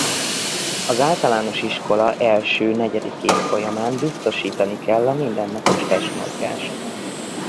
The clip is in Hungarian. Az általános iskola első-negyedik évfolyamán biztosítani kell a mindennapos testmozgást.